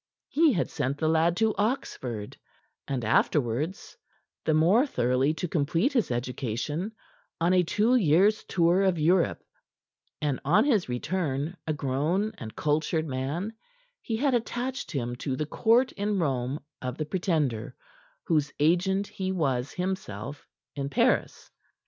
He had sent the lad to Oxford, and afterwards the more thoroughly to complete his education on a two years' tour of Europe; and on his return, a grown and cultured man, he had attached him to the court in Rome of the Pretender, whose agent he was himself in Paris.